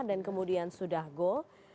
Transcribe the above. dan kemudian sudah goal